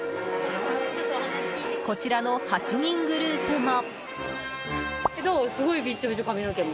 こちらの８人グループも。